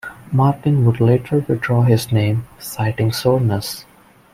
Martin would later withdraw his name, citing soreness.